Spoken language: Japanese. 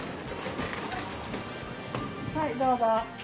はいどうぞ。